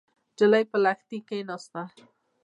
نجلۍ پر لښتي کېناسته.